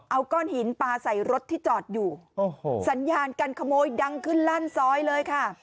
เอาก้อนหินปลาใส่รถที่จอดอยู่โอ้โหสัญญาการขโมยดังขึ้นลั่นซอยเลยค่ะ